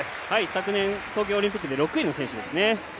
昨年東京オリンピックで６位の選手ですね。